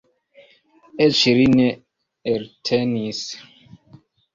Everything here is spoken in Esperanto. Eĉ li ne eltenis.